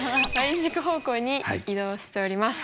軸方向に移動しております。